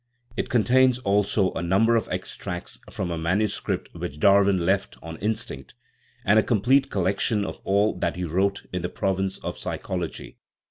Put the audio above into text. It contains also a number of extracts from a manuscript which Darwin left "on instinct," and a complete collection of all that he wrote in the province of psychology.